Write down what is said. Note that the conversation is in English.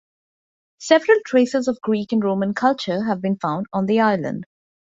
Several traces of Greek and Roman culture have been found on the island.